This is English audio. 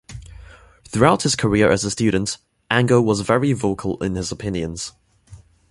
Throughout his career as a student, Ango was very vocal in his opinions.